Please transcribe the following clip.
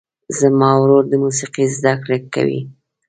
زما ورور د موسیقۍ زده کړه کوي.